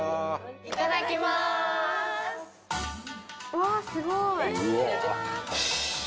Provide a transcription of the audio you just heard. ・わすごい。